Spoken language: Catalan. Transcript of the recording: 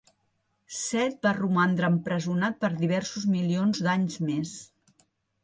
Set va romandre empresonat per diversos milions d'anys més.